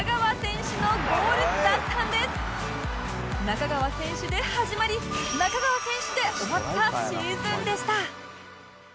仲川選手で始まり仲川選手で終わったシーズンでした